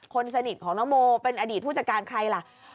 คนสนิทของน้องโมเป็นอดีตผู้จัดการใครล่ะ